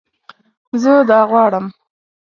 زه دا غواړم